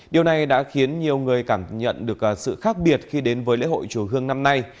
điều này đã khiến nhiều người cảm nhận được sự khác biệt khi đến với lễ hội chùa hương năm nay